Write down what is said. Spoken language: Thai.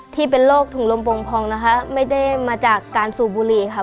ที่เป็นโรคถุงลมโปงพองนะคะไม่ได้มาจากการสูบบุหรี่ค่ะ